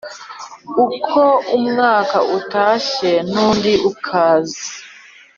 Uko umwaka utashye nundi ukaza